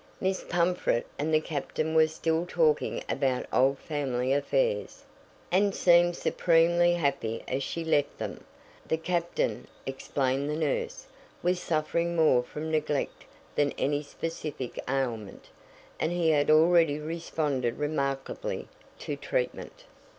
Miss Pumfret and the captain were still talking about old family affairs, and seemed supremely happy as she left them. The captain, explained the nurse, was suffering more from neglect than any specific ailment, and he had already responded remarkably to treatment.